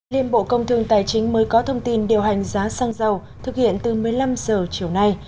liên bộ công thương tài chính mới có thông tin điều hành giá xăng dầu thực hiện từ một mươi năm h chiều nay